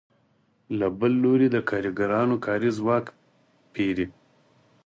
له بل لوري د کارګرانو کاري ځواک پېري